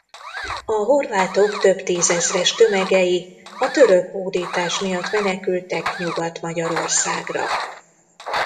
A horvátok több tízezres tömegei a török hódítás miatt menekültek Nyugat-Magyarországra.